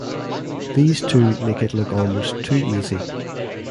These two make it look almost too easy.